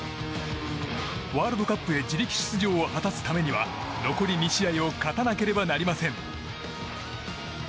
ワールドカップへ自力出場を果たすためには残り２試合を勝たなければなりません。